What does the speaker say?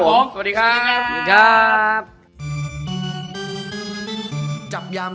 สวัสดีครับ